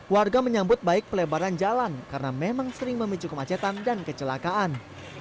warga menyambut baik pelebaran jalan karena memang sering memicu kemacetan dan kecelakaan